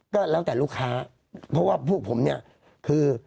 ก็แล้วแต่ลูกค้าเพราะว่าพวกผมเนี่ยคือ